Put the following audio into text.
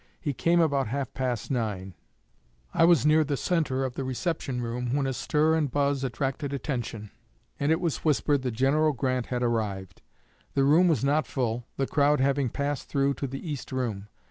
He came about half past nine. I was near the centre of the reception room, when a stir and buzz attracted attention, and it was whispered that General Grant had arrived. The room was not full, the crowd having passed through to the East Room.